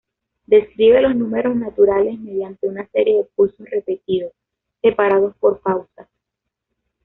Describe los números naturales mediante una serie de pulsos repetidos, separados por pausas.